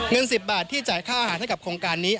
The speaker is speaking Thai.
เงินสิบบาทที่การจ่ายค่าอาหารของโครงการนี้